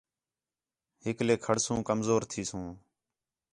ہکلے کھڑسو کمزور تِھیسو